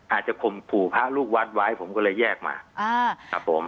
ข่มขู่พระลูกวัดไว้ผมก็เลยแยกมาครับผม